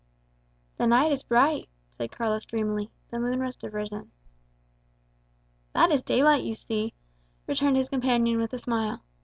"The night is bright," said Carlos dreamily. "The moon must have risen." "That is daylight you see," returned his companion with a smile.